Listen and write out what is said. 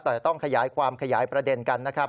แต่จะต้องขยายความขยายประเด็นกันนะครับ